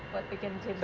buat bikin jeans